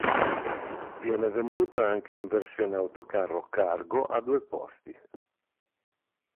Viene venduta anche in versione autocarro Cargo a due posti.